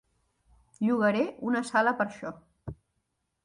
Llogaré una sala per això.